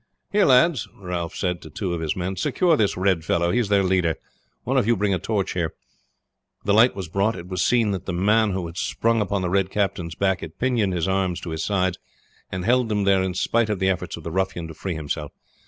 "Here, lads," Ralph said to two of his men. "Secure this red fellow, he is their leader. One of you bring a torch here." The light was brought. It was seen that the man who had sprung upon the Red Captain's back had pinioned his arms to his sides, and held them there in spite of the efforts of the ruffian to free himself.